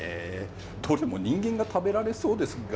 どれも人間が食べられそうですが。